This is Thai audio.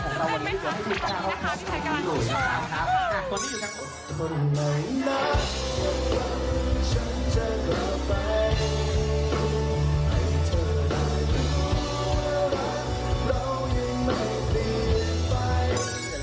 เดี๋ยวเราไปเจอกันบนเมทีนะค่ะ